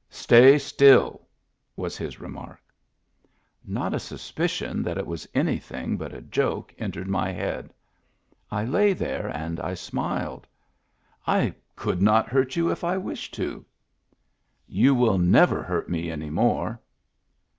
" Stay still," was his remark. Not a suspicion that it was anything but a joke entered my head I lay there and I smiled. " I could not hurt you if I wished to." " You will never hurt me any more."